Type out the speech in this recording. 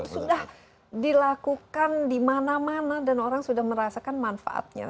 sudah dilakukan di mana mana dan orang sudah merasakan manfaatnya